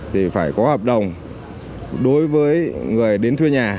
thì phải có hợp đồng đối với người đến thuê nhà